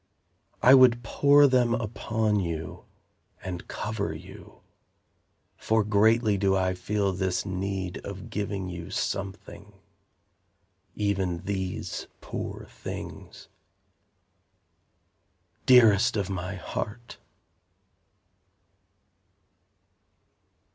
I would pour them upon you And cover you, For greatly do I feel this need Of giving you something, Even these poor things. Dearest of my Heart!